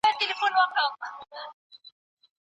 اهل الذمه په شخصي معاملاتو کښي د خپل مذهب د قانون تابع دي.